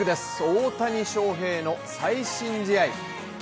大谷翔平の最新試合。